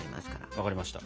わかりました。